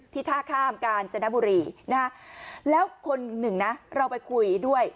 ท่าข้ามกาญจนบุรีนะฮะแล้วคนหนึ่งนะเราไปคุยด้วย